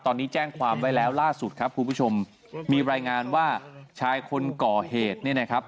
ตอนนี้แจ้งความไว้แล้วล่าสุดครับคุณผู้ชมมีรายงานว่าชายคนก่อเหตุเนี่ยนะครับ